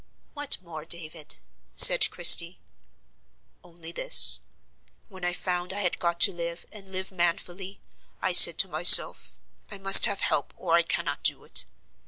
"What more, David?" said Christie. "Only this. When I found I had got to live, and live manfully, I said to myself, 'I must have help or I cannot do it.